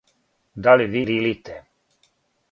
Да ли ви лилите?